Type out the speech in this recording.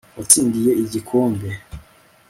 watsindiye igikombe